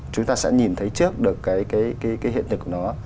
chúng ta sẽ nhìn thấy trước được cái hiện thực của nó